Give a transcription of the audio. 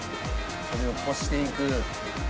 それを濾していく。